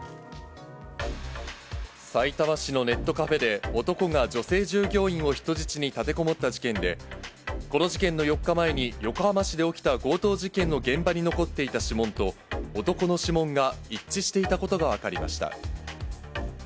さいたま市のネットカフェで、男が女性従業員を人質に立てこもった事件で、この事件の４日前に横浜市で起きた強盗事件の現場に残っていた指紋と、男の指紋が一致していたことが分かりました。